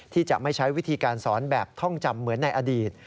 ที่จะไม่ใช้วิธีการสอนแบบท่องจำเหมือนในอดีต